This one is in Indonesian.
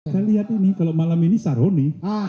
saya lihat ini kalau malam ini saroni